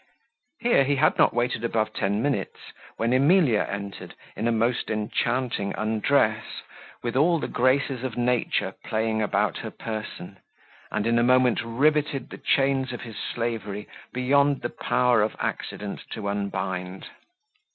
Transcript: Here he had not waited above ten minutes, when Emilia entered in a most enchanting undress, with all the graces of nature playing about her person, and in a moment riveted the chains of his slavery beyond the power of accident to unbind.